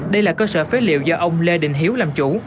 đây là cơ sở phế liệu do ông lê đình hiếu làm chủ